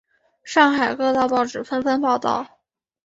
上海各大报纸纷纷报道。